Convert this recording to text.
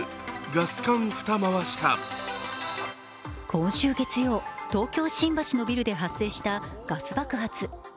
今週月曜、東京・新橋のビルで発生したガス爆発。